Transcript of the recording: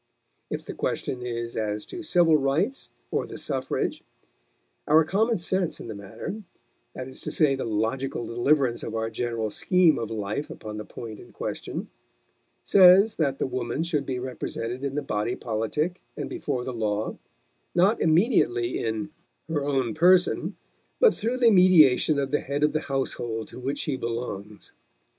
If the question is as to civil rights or the suffrage, our common sense in the matter that is to say the logical deliverance of our general scheme of life upon the point in question says that the woman should be represented in the body politic and before the law, not immediately in her own person, but through the mediation of the head of the household to which she belongs.